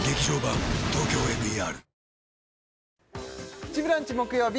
「プチブランチ」木曜日